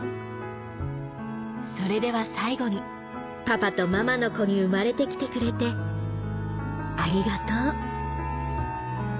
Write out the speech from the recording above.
「それでは最後にパパとママの子に生まれて来てくれてありがとう」